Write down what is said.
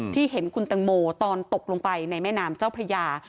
เห็นคุณตังโมตอนตกลงไปในแม่น้ำเจ้าพระยา